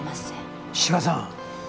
志賀さん！